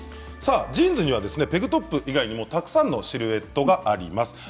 ジーンズにはペグトップ以外にもたくさんのシルエットがあります。